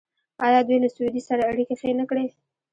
آیا دوی له سعودي سره اړیکې ښې نه کړې؟